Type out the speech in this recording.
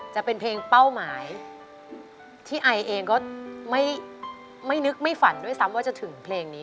จะเป็นเพลงเป้าหมายที่ไอเองก็ไม่นึกไม่ฝันด้วยซ้ำว่าจะถึงเพลงนี้